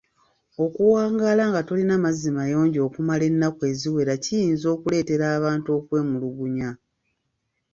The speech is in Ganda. Okuwangaala nga tolina mazzi mayonjo okumala ennaku eziwera kiyinza okuleetera abantu okwemulugunya.